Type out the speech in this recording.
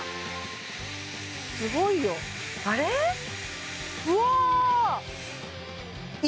すごいよあれうわ！